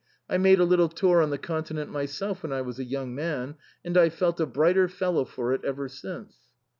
I made a little tour on the Conti nent myself when I was a young man, and I've felt a brighter fellow for it ever since."